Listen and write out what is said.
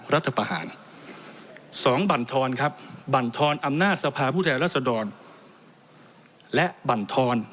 รัฐประหารสองบรรทรครับบรรทรอำนาจสภาพผู้ใจรัฐสดรและบรรทร